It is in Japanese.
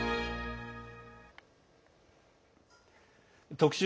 特集。